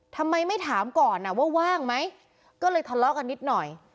ทำไมไม่ถามก่อนว่าว่างไหมก็เลยทะเลาะกันนิดหน่อย